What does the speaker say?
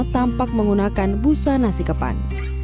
tampak menggunakan busa nasi kepan